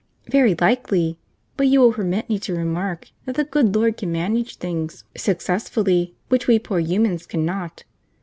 "Very likely; but you will permit me to remark that the good Lord can manage things successfully which we poor humans cannot.